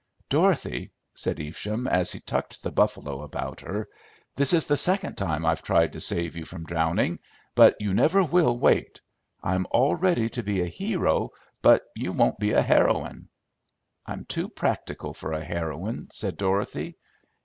"Dorothy," said Evesham, as he tucked the buffalo about her, "this is the second time I've tried to save you from drowning, but you never will wait. I'm all ready to be a hero, but you won't be a heroine." "I'm too practical for a heroine," said Dorothy.